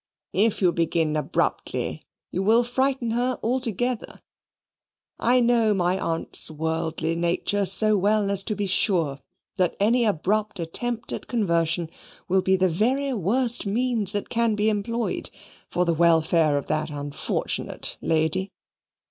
"If you begin abruptly, you will frighten her altogether. I know my aunt's worldly nature so well as to be sure that any abrupt attempt at conversion will be the very worst means that can be employed for the welfare of that unfortunate lady.